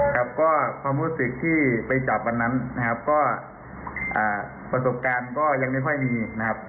ครับก็ความรู้สึกที่ไปจับวันนั้นนะครับก็ประสบการณ์ก็ยังไม่ค่อยมีนะครับ